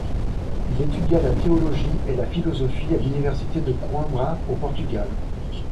Il étudia la théologie et la philosophie à l'université de Coimbra au Portugal.